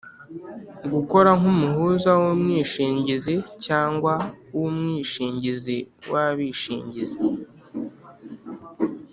gukora nk’umuhuza w’umwishingizi cyangwa w’umwishingizi w’abishingizi.